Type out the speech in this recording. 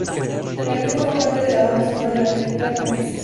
La canción formó parte de la banda sonora de la película "Nueve meses".